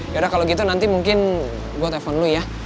yaudah kalo gitu nanti mungkin gue telfon lo ya